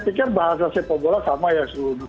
saya pikir bahasa sepobola sama ya